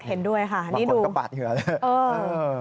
เห็นด้วยค่ะบางคนก็ปาดเหนือเลย